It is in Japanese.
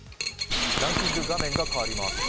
ランキング画面が変わります。